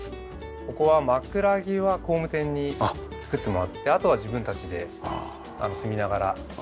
ここは枕木は工務店に作ってもらってあとは自分たちで住みながらやりました。